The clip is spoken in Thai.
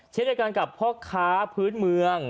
เช่นเดียวกันกับพ่อค้าพื้นเมือง